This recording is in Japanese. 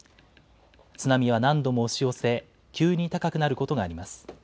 津波は何度も押し寄せ、急に高くなることがあります。